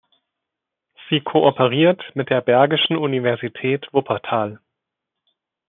Sie kooperiert mit der Bergischen Universität Wuppertal.